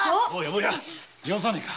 坊やよさねえか。